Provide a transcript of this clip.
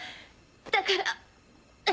だから。